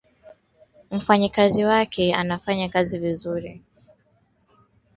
Wawili hao waliangukia penzini na ilitokea Juliana alipotembelea Tanzania katika ziara zake za nadra